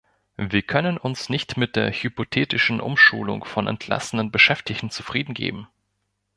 Wir können uns nicht mit der hypothetischen Umschulung von entlassenen Beschäftigten zufrieden geben.